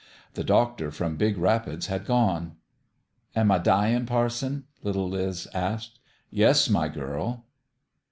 The doctor from Big Rapids had gone. "Am I dyin', parson?" little Liz asked. " Yes, my girl.''